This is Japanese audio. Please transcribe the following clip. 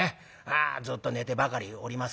ずっと寝てばかりおりますからね。